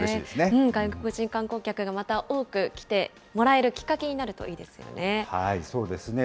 外国人観光客がまた多く来てもらえるきっかけになるといいですよね。